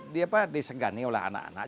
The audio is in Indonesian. di apa disegani oleh anak anak